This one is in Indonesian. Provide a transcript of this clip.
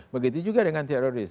begitu juga dengan teroris